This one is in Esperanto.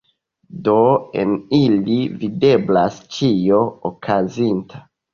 Do en ili videblas ĉio okazinta!